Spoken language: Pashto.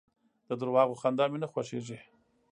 د درواغو خندا مي نه خوښېږي .